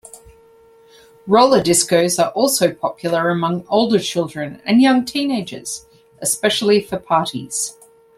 Roller discos are also popular among older children and young teenagers, especially for parties.